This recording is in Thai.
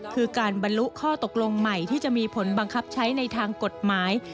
คือการบรรลุข้อตกลงใหม่ที่จะมีผลบังคับใช้ในทางกฎหมาย